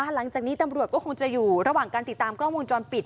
หลังจากนี้ตำรวจก็คงจะอยู่ระหว่างการติดตามกล้องวงจรปิด